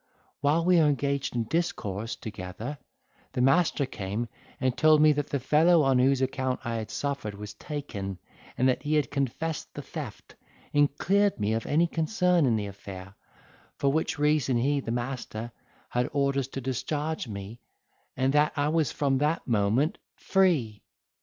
While we were engaged in discourse together, the master came and told me, that the fellow on whose account I had suffered was taken, that he had confessed the theft, and cleared me of any concern in the affair; for which reason he, the master, had orders to discharge me, and that I was from that moment free.